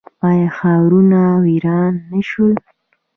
آیا ښارونه ویران نه شول؟